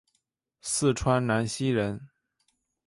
四川南溪人。